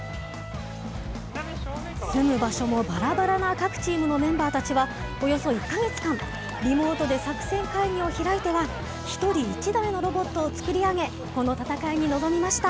住む場所もばらばらな各チームのメンバーたちは、およそ１か月間、リモートで作戦会議を開いては、１人１台のロボットを作り上げ、この戦いに臨みました。